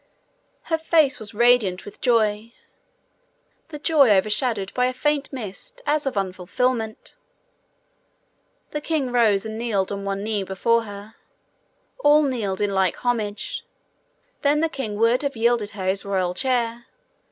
Her face was radiant with joy, the joy overshadowed by a faint mist as of unfulfilment. The king rose and kneeled on one knee before her. All kneeled in like homage. Then the king would have yielded her his royal chair.